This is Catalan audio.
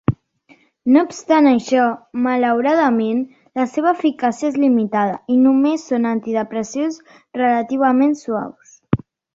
No obstant això, malauradament, la seva eficàcia és limitada i només són antidepressius relativament suaus.